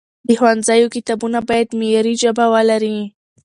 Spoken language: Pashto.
د ښوونځیو کتابونه باید معیاري ژبه ولري.